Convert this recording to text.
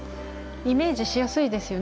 イメージしやすいですよね。